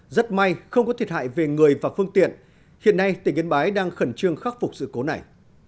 rất may không có thiệt hại về người và phương tiện hiện nay tỉnh yên bái đang khẩn trương khắc phục sự cố này